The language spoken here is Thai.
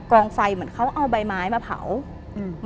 กองไฟเหมือนเขาเอาใบไม้มาเผาอืม